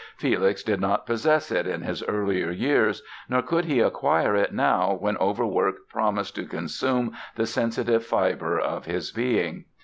Felix did not possess it in his earlier years, nor could he acquire it now when overwork promised to consume the sensitive fibre of his being.